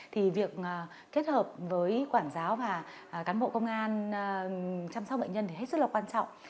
thì việc kết hợp với quản giáo và cán bộ công an chăm sóc bệnh nhân thì hết sức là quan trọng